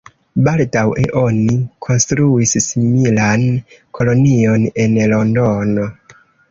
Baldaŭe oni konstruis similan kolonion en Londono.